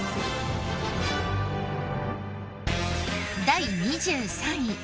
第２３位